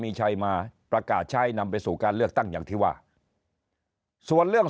มีชัยมาประกาศใช้นำไปสู่การเลือกตั้งอย่างที่ว่าส่วนเรื่อง